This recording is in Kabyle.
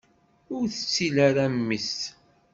Ur tettil ara mmi-s.